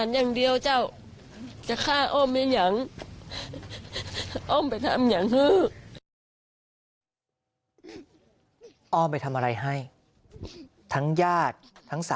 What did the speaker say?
มันได้ทำหลายคน